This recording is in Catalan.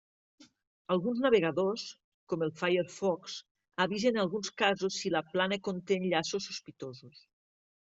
Alguns navegadors, com el Firefox, avisen en alguns casos si la plana conté enllaços sospitosos.